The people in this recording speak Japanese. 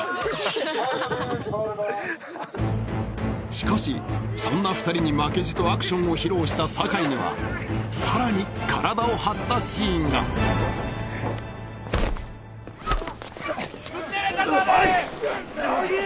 しかしそんな二人に負けじとアクションを披露した堺にはさらに体を張ったシーンが乃木！